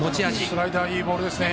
スライダーいいボールですね。